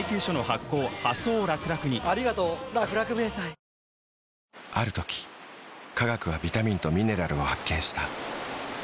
あぁある時科学はビタミンとミネラルを発見した。